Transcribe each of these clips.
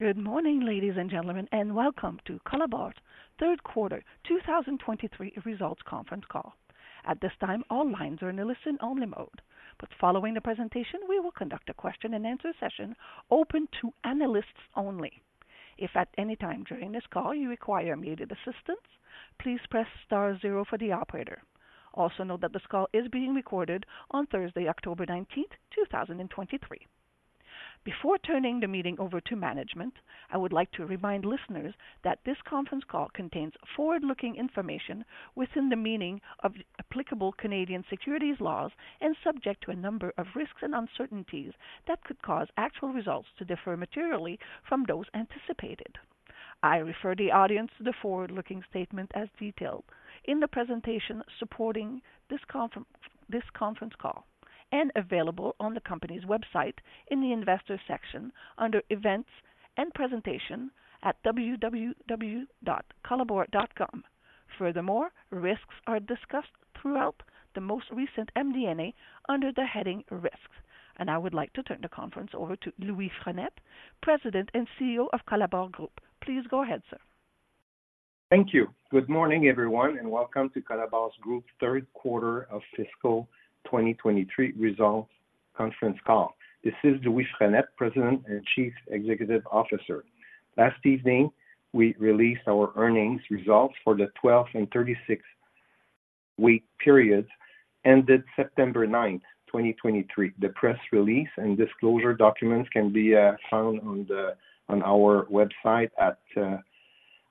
Good morning, ladies and gentlemen, and welcome to Colabor's third quarter 2023 results conference call. At this time, all lines are in a listen-only mode, but following the presentation, we will conduct a question-and-answer session open to analysts only. If at any time during this call you require immediate assistance, please press star zero for the operator. Also, note that this call is being recorded on Thursday, October 19th, 2023. Before turning the meeting over to management, I would like to remind listeners that this conference call contains forward-looking information within the meaning of applicable Canadian securities laws and subject to a number of risks and uncertainties that could cause actual results to differ materially from those anticipated. I refer the audience to the forward-looking statement as detailed in the presentation supporting this conference call and available on the company's website in the Investor section under Events and Presentation at www.colabor.com. Furthermore, risks are discussed throughout the most recent MD&A under the heading Risks. I would like to turn the conference over to Louis Frenette, President and CEO of Colabor Group. Please go ahead, sir. Thank you. Good morning, everyone, and welcome to Colabor Group's third quarter of fiscal 2023 results conference call. This is Louis Frenette, President and Chief Executive Officer. Last evening, we released our earnings results for the 12th and 36th-week periods ended September 9, 2023. The press release and disclosure documents can be found on our website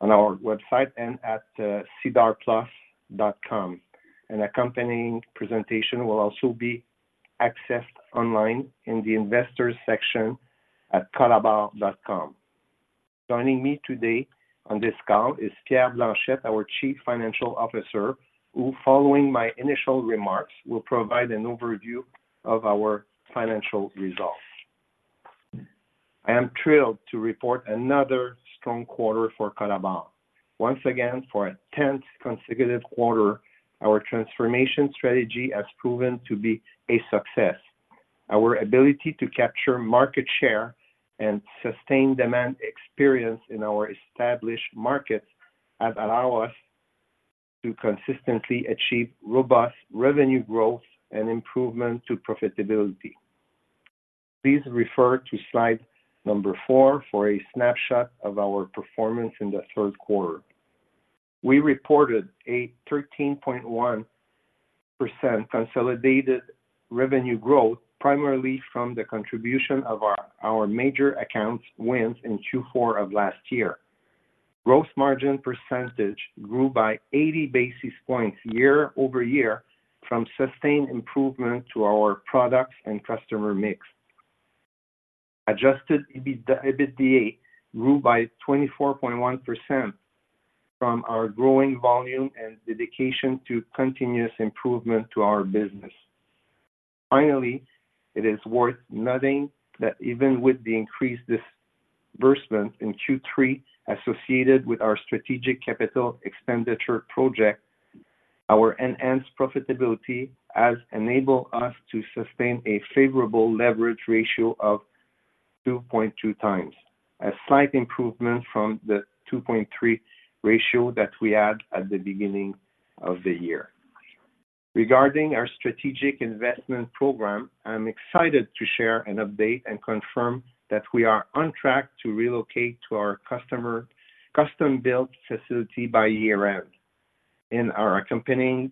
and at sedarplus.com. An accompanying presentation will also be accessed online in the Investors section at colabor.com. Joining me today on this call is Pierre Blanchette, our Chief Financial Officer, who, following my initial remarks, will provide an overview of our financial results. I am thrilled to report another strong quarter for Colabor. Once again, for a 10th consecutive quarter, our transformation strategy has proven to be a success. Our ability to capture market share and sustain demand experience in our established markets has allow us to consistently achieve robust revenue growth and improvement to profitability. Please refer to slide number four for a snapshot of our performance in the third quarter. We reported a 13.1% consolidated revenue growth, primarily from the contribution of our major accounts wins in Q4 of last year. Gross margin percentage grew by 80 basis points year-over-year from sustained improvement to our products and customer mix. Adjusted EBITDA grew by 24.1% from our growing volume and dedication to continuous improvement to our business. Finally, it is worth noting that even with the increased disbursement in Q3 associated with our strategic capital expenditure project, our enhanced profitability has enabled us to sustain a favorable leverage ratio of 2.2x, a slight improvement from the 2.3 ratio that we had at the beginning of the year. Regarding our strategic investment program, I'm excited to share an update and confirm that we are on track to relocate to our custom-built facility by year-end. In our accompanying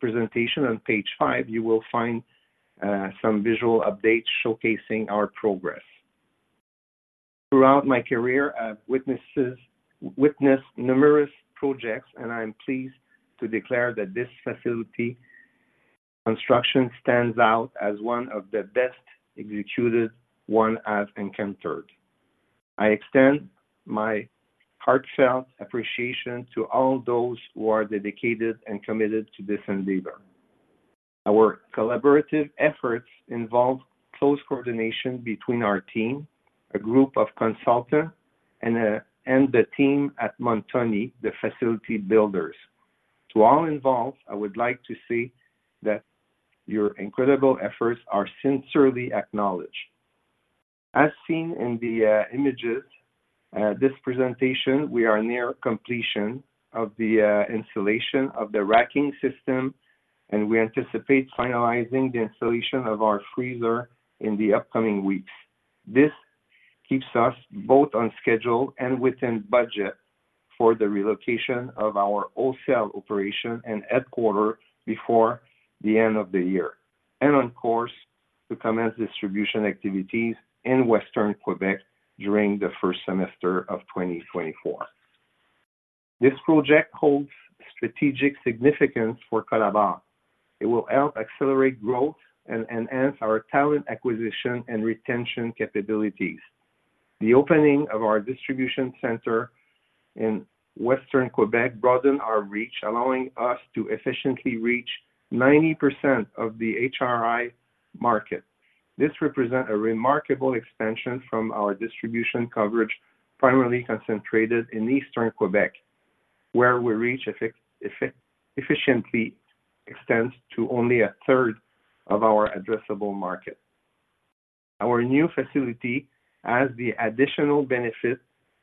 presentation on page five, you will find some visual updates showcasing our progress. Throughout my career, I've witnessed numerous projects, and I'm pleased to declare that this facility construction stands out as one of the best executed one I've encountered. I extend my heartfelt appreciation to all those who are dedicated and committed to this endeavor. Our collaborative efforts involve close coordination between our team, a group of consultants, and and the team at Montoni, the facility builders. To all involved, I would like to say that your incredible efforts are sincerely acknowledged. As seen in the images, this presentation, we are near completion of the installation of the racking system, and we anticipate finalizing the installation of our freezer in the upcoming weeks. This keeps us both on schedule and within budget for the relocation of our wholesale operation and headquarters before the end of the year, and on course to commence distribution activities in Western Quebec during the first semester of 2024. This project holds strategic significance for Colabor. It will help accelerate growth and enhance our talent acquisition and retention capabilities. The opening of our distribution center in Western Quebec broaden our reach, allowing us to efficiently reach 90% of the HRI market. This represent a remarkable expansion from our distribution coverage, primarily concentrated in Eastern Quebec, where we reach efficiently extends to only a third of our addressable market. Our new facility has the additional benefit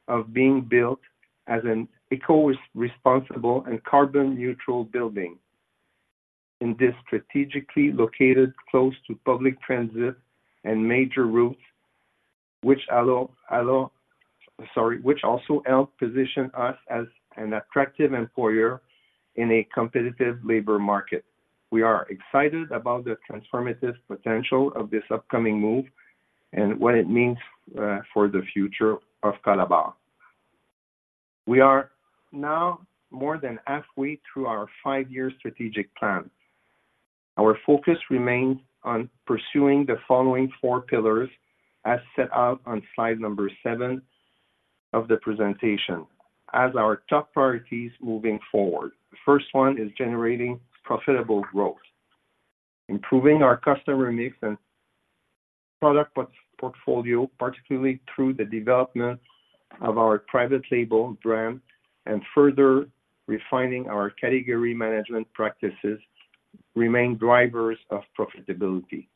of being built as an eco-responsible and carbon neutral building, and is strategically located close to public transit and major routes, which also help position us as an attractive employer in a competitive labor market. We are excited about the transformative potential of this upcoming move and what it means for the future of Colabor. We are now more than halfway through our five-year strategic plan. Our focus remains on pursuing the following four pillars, as set out on slide number seven of the presentation, as our top priorities moving forward. The first one is generating profitable growth. Improving our customer mix and product portfolio, particularly through the development of our private label brand and further refining our category management practices, remain drivers of profitability.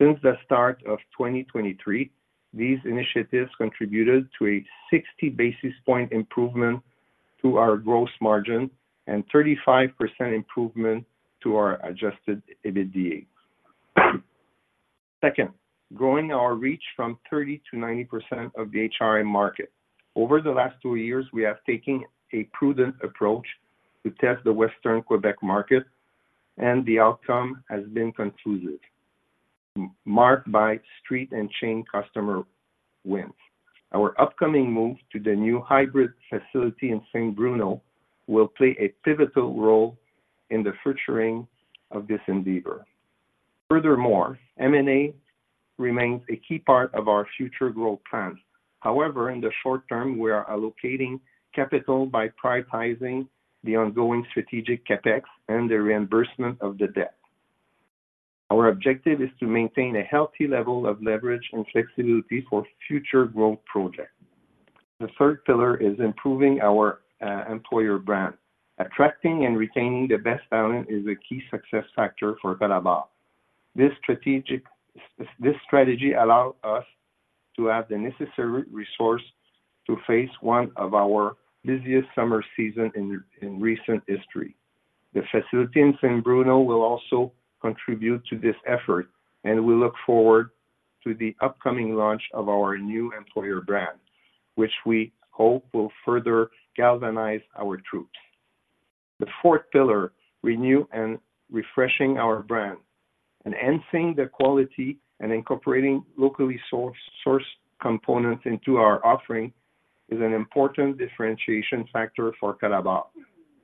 Since the start of 2023, these initiatives contributed to a 60 basis point improvement to our gross margin and 35% improvement to our Adjusted EBITDA. Second, growing our reach from 30 to 90% of the HRI market. Over the last two years, we have taken a prudent approach to test the Western Quebec market, and the outcome has been conclusive, marked by street and chain customer wins. Our upcoming move to the new hybrid facility in Saint-Bruno will play a pivotal role in the furthering of this endeavor. Furthermore, M&A remains a key part of our future growth plans. However, in the short term, we are allocating capital by prioritizing the ongoing strategic CapEx and the reimbursement of the debt. Our objective is to maintain a healthy level of leverage and flexibility for future growth projects. The third pillar is improving our employer brand. Attracting and retaining the best talent is a key success factor for Colabor. This strategy allow us to have the necessary resource to face one of our busiest summer season in recent history. The facility in Saint-Bruno will also contribute to this effort, and we look forward to the upcoming launch of our new employer brand, which we hope will further galvanize our troops. The fourth pillar, renew and refreshing our brand. Enhancing the quality and incorporating locally sourced components into our offering is an important differentiation factor for Colabor,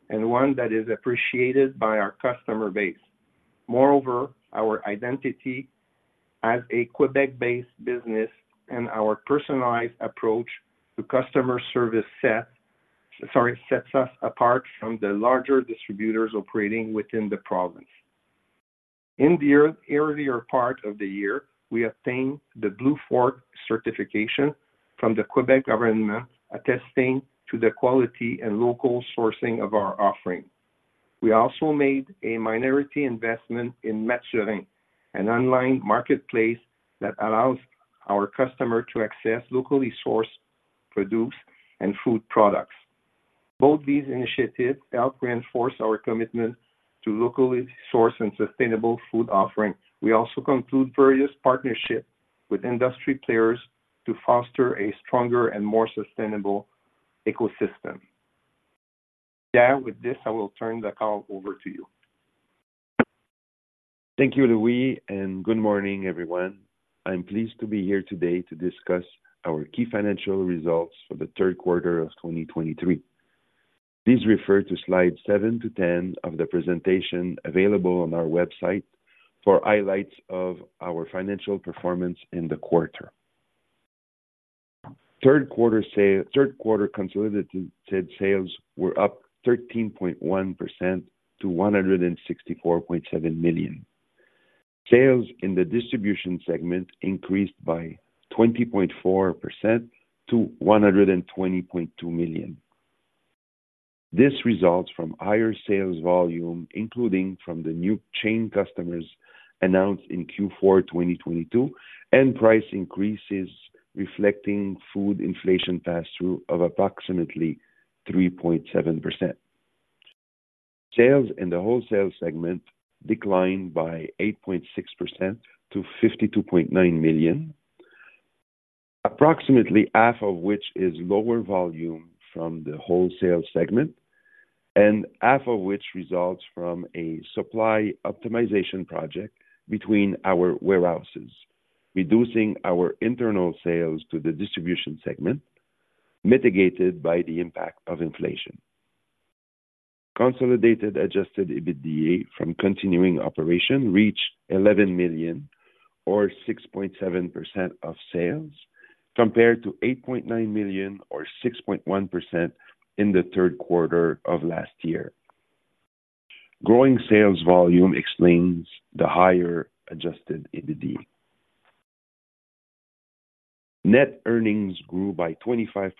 and one that is appreciated by our customer base. Moreover, our identity as a Quebec-based business and our personalized approach to customer service set, sorry, sets us apart from the larger distributors operating within the province. In the earlier part of the year, we obtained the Blue Fork Certification from the Quebec government, attesting to the quality and local sourcing of our offering. We also made a minority investment in Maturin, an online marketplace that allows our customers to access locally sourced produce and food products. Both these initiatives help reinforce our commitment to locally sourced and sustainable food offering. We also conclude various partnerships with industry players to foster a stronger and more sustainable ecosystem. Pierre, with this, I will turn the call over to you. Thank you, Louis, and good morning, everyone. I'm pleased to be here today to discuss our key financial results for the third quarter of 2023. Please refer to slides seven to 10 of the presentation available on our website for highlights of our financial performance in the quarter. Third quarter consolidated sales were up 13.1% to 164.7 million. Sales in the distribution segment increased by 20.4% to 120.2 million. This results from higher sales volume, including from the new chain customers announced in Q4 2022, and price increases, reflecting food inflation pass-through of approximately 3.7%. Sales in the wholesale segment declined by 8.6% to 52.9 million. Approximately half of which is lower volume from the wholesale segment, and half of which results from a supply optimization project between our warehouses, reducing our internal sales to the distribution segment, mitigated by the impact of inflation. Consolidated Adjusted EBITDA from continuing operations reached 11 million or 6.7% of sales, compared to 8.9 million or 6.1% in the third quarter of last year. Growing sales volume explains the higher Adjusted EBITDA. Net earnings grew by 25%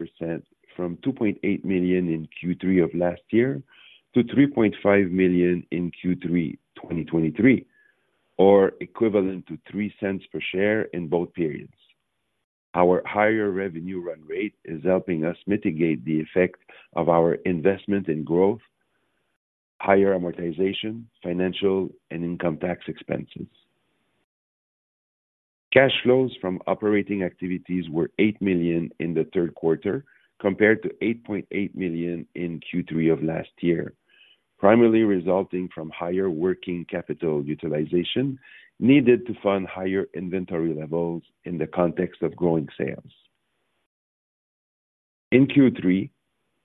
from 2.8 million in Q3 of last year, to 3.5 million in Q3 2023, or equivalent to 0.03 per share in both periods. Our higher revenue run rate is helping us mitigate the effect of our investment in growth, higher amortization, financial and income tax expenses. Cash flows from operating activities were 8 million in the third quarter, compared to 8.8 million in Q3 of last year, primarily resulting from higher working capital utilization needed to fund higher inventory levels in the context of growing sales. In Q3,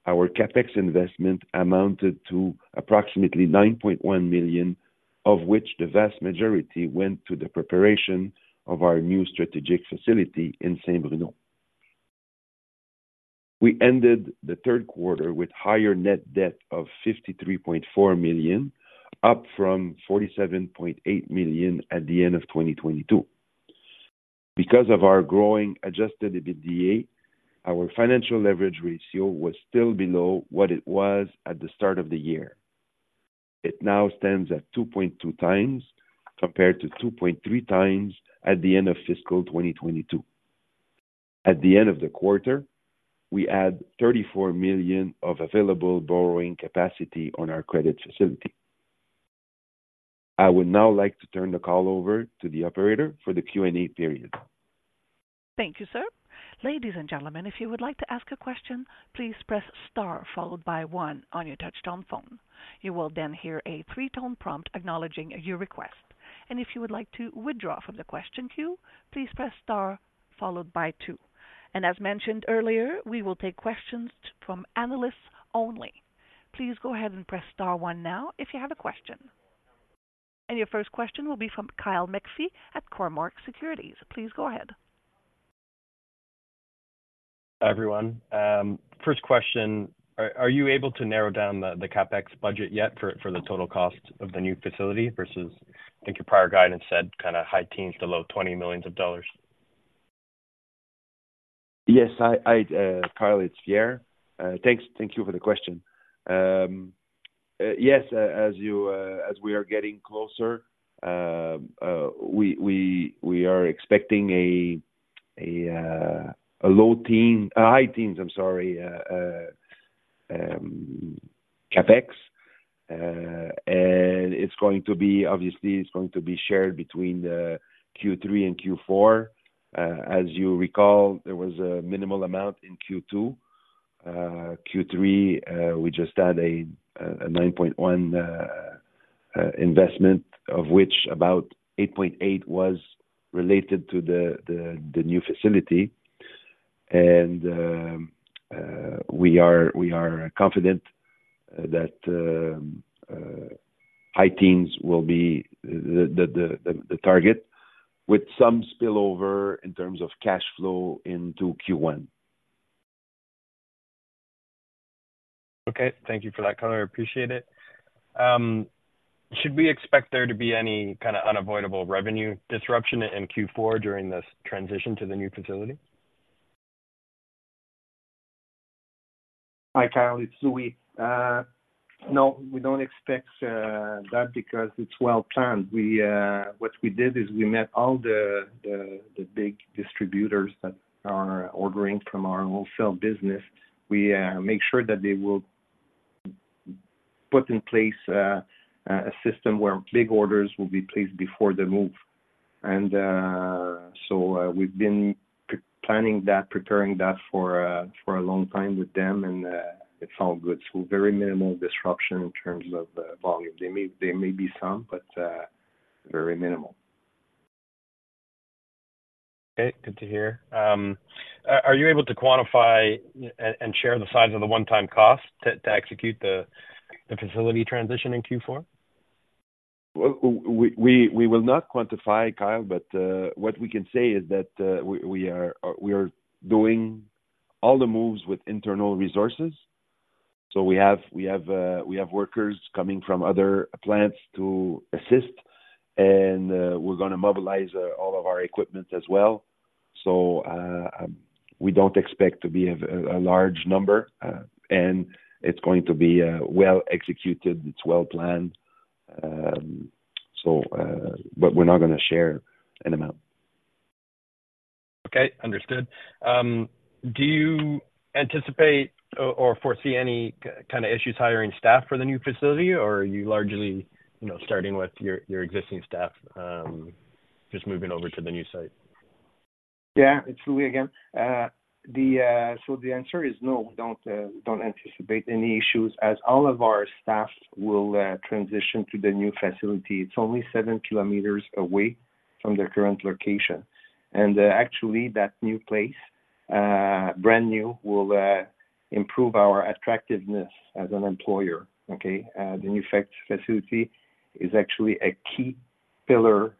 our CapEx investment amounted to approximately 9.1 million, of which the vast majority went to the preparation of our new strategic facility in Saint-Bruno. We ended the third quarter with higher net debt of 53.4 million, up from 47.8 million at the end of 2022. Because of our growing Adjusted EBITDA, our financial leverage ratio was still below what it was at the start of the year. It now stands at 2.2x, compared to 2.3x at the end of fiscal 2022. At the end of the quarter, we add 34 million of available borrowing capacity on our credit facility. I would now like to turn the call over to the operator for the Q&A period. Thank you, sir. Ladies and gentlemen, if you would like to ask a question, please press star followed by one on your touchtone phone. You will then hear a three-tone prompt acknowledging your request, and if you would like to withdraw from the question queue, please press star followed by two. As mentioned earlier, we will take questions from analysts only. Please go ahead and press star one now if you have a question. Your first question will be from Kyle McPhee at Cormark Securities. Please go ahead. Everyone, first question: Are you able to narrow down the CapEx budget yet for the total cost of the new facility versus, I think your prior guidance said, kind high teens million below 20 million dollars? Yes, Kyle, it's Pierre. Thanks. Thank you for the question. Yes, as we are getting closer, we are expecting a low-teens-high-teens, I'm sorry, CapEx, and it's going to be, obviously, shared between Q3 and Q4. As you recall, there was a minimal amount in Q2. Q3, we just had a 9.1 investment, of which about 8.8 was related to the new facility. We are confident that high-teens will be the target, with some spillover in terms of cash flow into Q1. Okay, thank you for that clarity. I appreciate it. Should we expect there to be any kind of unavoidable revenue disruption in Q4 during this transition to the new facility? Hi, Kyle, it's Louis. No, we don't expect that because it's well planned. What we did is we met all the big distributors that are ordering from our wholesale business. We make sure that they will put in place a system where big orders will be placed before the move. And so we've been planning that, preparing that for a long time with them, and it's all good. So very minimal disruption in terms of volume. There may be some, but very minimal. Okay, good to hear. Are you able to quantify and share the size of the one-time cost to execute the facility transition in Q4? Well, we will not quantify, Kyle, but what we can say is that we are doing all the moves with internal resources. So we have workers coming from other plants to assist, and we're gonna mobilize all of our equipment as well. So we don't expect to be a large number, and it's going to be well executed. It's well planned. But we're not gonna share an amount. Okay, understood. Do you anticipate or foresee any kind of issues hiring staff for the new facility, or are you largely, you know, starting with your existing staff, just moving over to the new site? Yeah, it's Louis again. So the answer is no, we don't anticipate any issues, as all of our staff will transition to the new facility. It's only 7km away from their current location. And, actually, that new place, brand new, will improve our attractiveness as an employer, okay? The new facility is actually a key pillar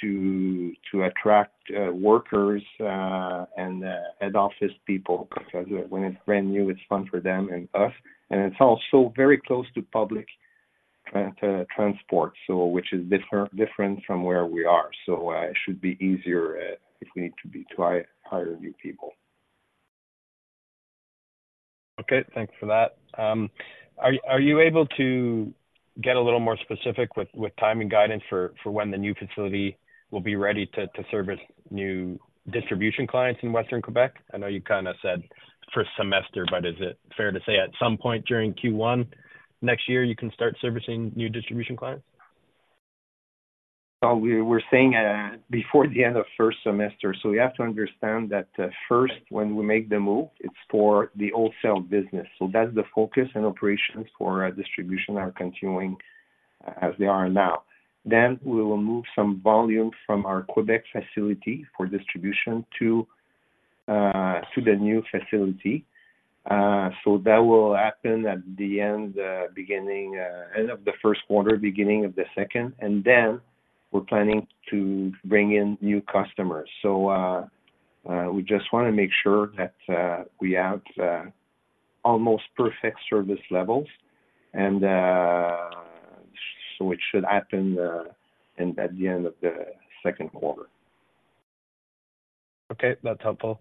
to attract workers and head office people, because when it's brand new, it's fun for them and us, and it's also very close to public transport, so which is different from where we are. So, it should be easier if we need to hire new people. Okay, thanks for that. Are you able to get a little more specific with timing guidance for when the new facility will be ready to service new distribution clients in Western Quebec? I know you kind of said first semester, but is it fair to say at some point during Q1 next year, you can start servicing new distribution clients? Well, we're saying before the end of first semester. So we have to understand that first, when we make the move, it's for the wholesale business. So that's the focus and operations for our distribution are continuing as they are now. Then we will move some volume from our Quebec facility for distribution to the new facility. So that will happen at the end of the first quarter, beginning of the second, and then we're planning to bring in new customers. So we just want to make sure that we have almost perfect service levels, and so it should happen at the end of the second quarter. Okay, that's helpful.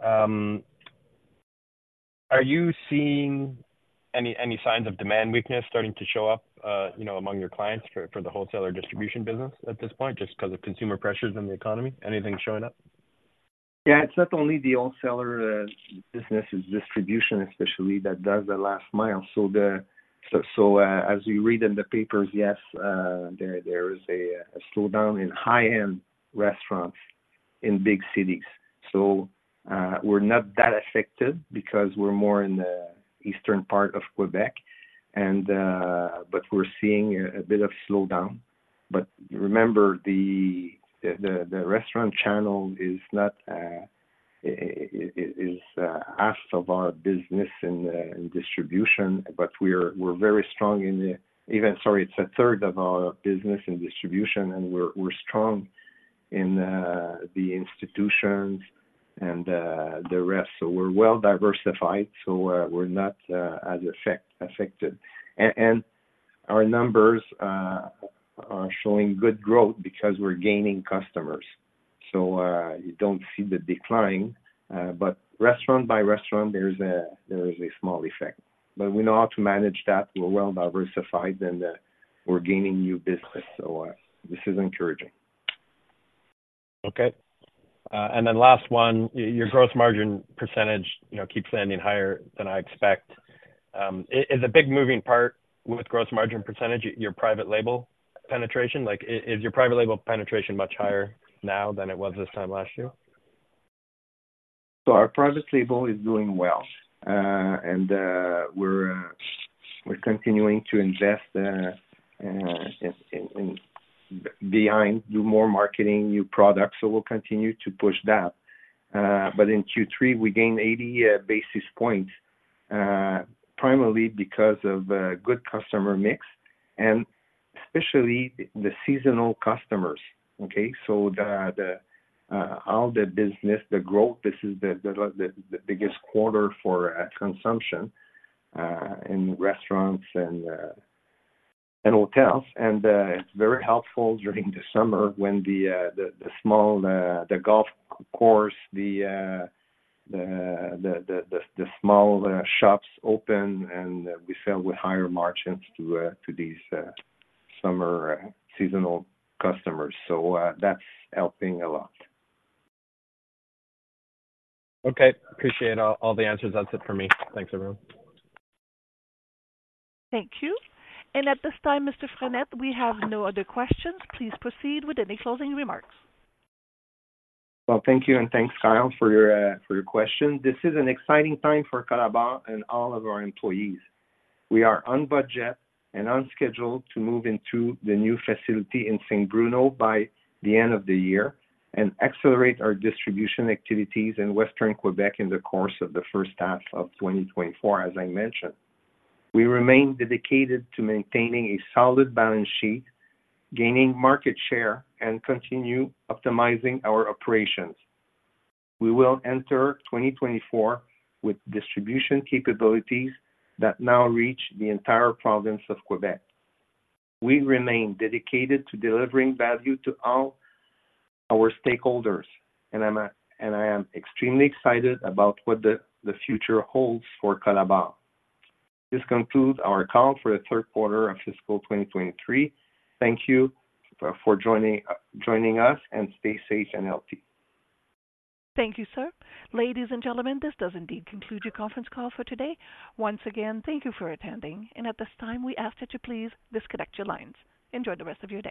Are you seeing any signs of demand weakness starting to show up, you know, among your clients for the wholesaler distribution business at this point, just because of consumer pressures in the economy? Anything showing up? Yeah, it's not only the wholesaler business, it's distribution especially, that does the last mile. So, as you read in the papers, yes, there is a slowdown in high-end restaurants in big cities. So, we're not that affected because we're more in the eastern part of Quebec, and... But we're seeing a bit of slowdown. But remember, the restaurant channel is not, is, half of our business in distribution, but we're, we're very strong in. Even, sorry, it's a third of our business in distribution, and we're, we're strong in the institutions and the rest. So we're well diversified, so, we're not as affected. And our numbers are showing good growth because we're gaining customers, so you don't see the decline. But restaurant by restaurant, there's a small effect, but we know how to manage that. We're well diversified, and we're gaining new business, so this is encouraging. Okay. And then last one, your gross margin percentage, you know, keeps landing higher than I expect. Is a big moving part with gross margin percentage, your private label penetration? Like, is your private label penetration much higher now than it was this time last year? So our private label is doing well. We're continuing to invest in behind, do more marketing, new products, so we'll continue to push that. But in Q3, we gained 80 basis points, primarily because of good customer mix and especially the seasonal customers, okay? So all the business, the growth, this is the biggest quarter for consumption in restaurants and hotels. And it's very helpful during the summer when the small, the golf course, the small shops open, and we sell with higher margins to these summer seasonal customers. So that's helping a lot. Okay. Appreciate all, all the answers. That's it for me. Thanks, everyone. Thank you. At this time, Mr. Frenette, we have no other questions. Please proceed with any closing remarks. Well, thank you, and thanks, Kyle, for your, for your question. This is an exciting time for Colabor and all of our employees. We are on budget and on schedule to move into the new facility in Saint-Bruno by the end of the year and accelerate our distribution activities in Western Quebec in the course of the first half of 2024, as I mentioned. We remain dedicated to maintaining a solid balance sheet, gaining market share, and continue optimizing our operations. We will enter 2024 with distribution capabilities that now reach the entire province of Quebec. We remain dedicated to delivering value to all our stakeholders, and I'm, and I am extremely excited about what the, the future holds for Colabor. This concludes our call for the third quarter of fiscal 2023. Thank you for joining, joining us, and stay safe and healthy. Thank you, sir. Ladies and gentlemen, this does indeed conclude your conference call for today. Once again, thank you for attending, and at this time, we ask that you please disconnect your lines. Enjoy the rest of your day.